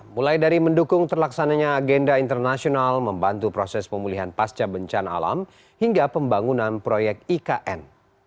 mulai dari mendukung terlaksananya agenda internasional membantu proses pemulihan pasca bencana alam hingga pembangunan proyek ikn